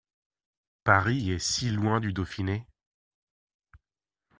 Paris est si loin du Dauphiné !